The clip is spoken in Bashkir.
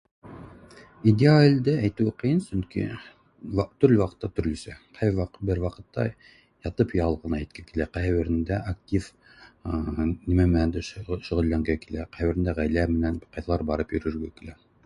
Идеальды әйтеүе ҡыйын, сөнки төрлө ваҡытта төрлөсә, ҡайһы бер ваҡытта ятып ял ғына итке килә, ҡайһы берендә актив нимә менәндер шөғөлләнге килә, ҡайһы берендә ғаилә менән ҡайҙалыр барып йөрөргө килә